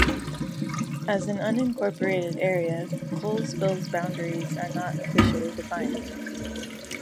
As an unincorporated area, Colesville's boundaries are not officially defined.